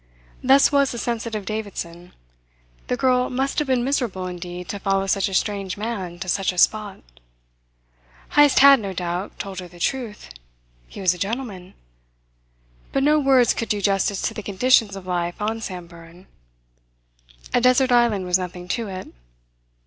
Thus was the sensitive Davidson. The girl must have been miserable indeed to follow such a strange man to such a spot. Heyst had, no doubt, told her the truth. He was a gentleman. But no words could do justice to the conditions of life on Samburan. A desert island was nothing to it.